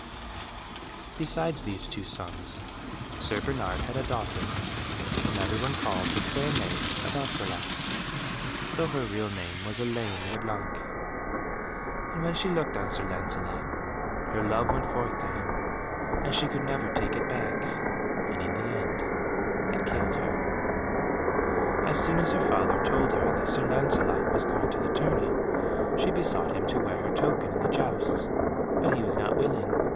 Besides these two sons, Sir Bernard had a daughter whom every one called The Fair Maid of Astolat, though her real name was Elaine le Blanc. And when she looked on Sir Lancelot, her love went forth to him and she could never take it back, and in the end it killed her. As soon as her father told her that Sir Lancelot was going to the tourney she besought him to wear her token in the jousts, but he was not willing.